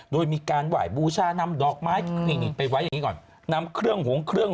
โดยมีการหวายบูชานำดอกไม้ไปไว้นี่ก่อนนำเครื่องหงงเครื่อง